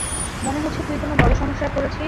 মনে হচ্ছে তুই কোনো বড় সমস্যায় পড়েছিস।